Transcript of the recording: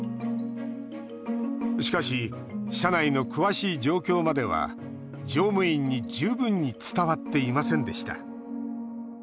しかし、車内の詳しい状況までは乗務員に十分に伝わっていませんでした。